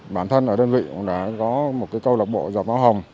bản thân ở đơn vị cũng đã có một câu lạc bộ giọt máu hồng